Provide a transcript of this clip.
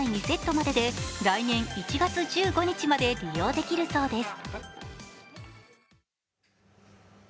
１世帯２セットまでで、来年１月１５日まで利用できるそうです。